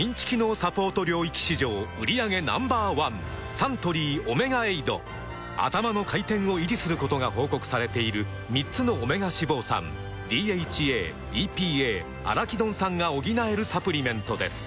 サントリー「オメガエイド」「アタマの回転」を維持することが報告されている３つのオメガ脂肪酸ＤＨＡ・ＥＰＡ・アラキドン酸が補えるサプリメントです